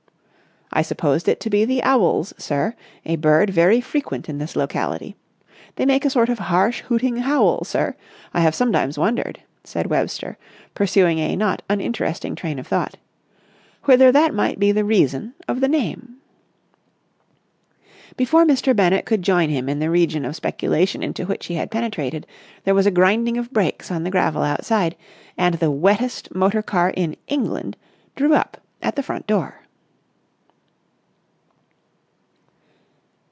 "I supposed it to be the owls, sir, a bird very frequent in this locality. They make a sort of harsh, hooting howl, sir. I have sometimes wondered," said Webster, pursuing a not uninteresting train of thought, "whether that might be the reason of the name." Before Mr. Bennett could join him in the region of speculation into which he had penetrated, there was a grinding of brakes on the gravel outside, and the wettest motor car in England drew up at the front door.